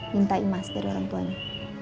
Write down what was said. minta imas dari orang tuanya